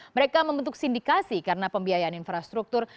mereka membentuk sindikasi karena pembiayaan infrastruktur